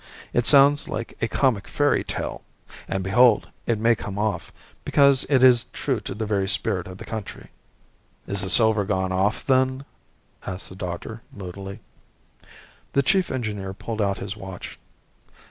It sounds like a comic fairy tale and behold, it may come off; because it is true to the very spirit of the country." "Is the silver gone off, then?" asked the doctor, moodily. The chief engineer pulled out his watch.